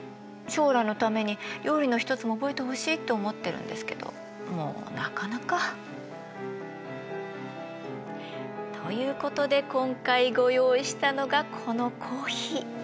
将来のために料理の一つも覚えてほしいって思ってるんですけどもうなかなか。ということで今回ご用意したのがこのコーヒー。